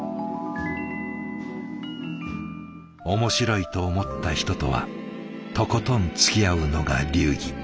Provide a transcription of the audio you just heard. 面白いと思った人とはとことんつきあうのが流儀。